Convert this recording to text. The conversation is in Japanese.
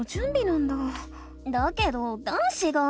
だけど男子が。